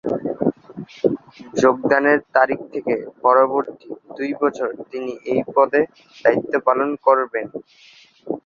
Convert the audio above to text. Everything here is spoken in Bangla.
যোগদানের তারিখ থেকে পরবর্তী দুই বছর তিনি এই পদে দায়িত্ব পালন করবেন।